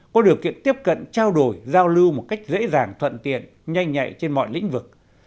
có điều kiện tiếp cận trao đổi giao lưu một cách dễ dàng thuận tiện nhanh nhạy trên mọi lĩnh vực